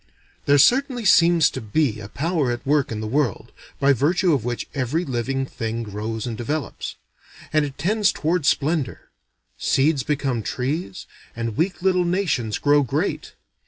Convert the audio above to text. There certainly seems to be a power at work in the world, by virtue of which every living thing grows and develops. And it tends toward splendor. Seeds become trees, and weak little nations grow great.